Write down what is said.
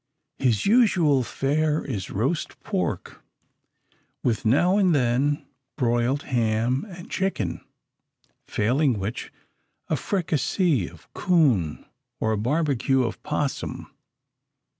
His usual fare is roast pork, with now and then broiled ham and chicken; failing which, a fricassee of 'coon or a barbecue of 'possum.